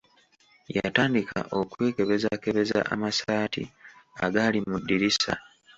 Yatandika okwekebezakebeza amasaati agaali mu ddirisa.